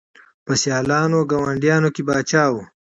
په سیالانو ګاونډیانو کي پاچا وو